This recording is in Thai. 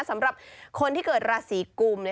สำหรับคนที่เกิดราศีกุม